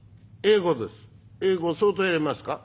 「英語です」。